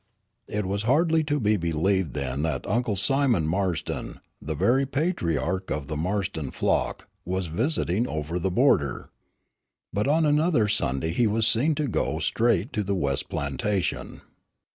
It was hardly to be believed then that Uncle Simon Marston, the very patriarch of the Marston flock, was visiting over the border. But on another Sunday he was seen to go straight to the west plantation.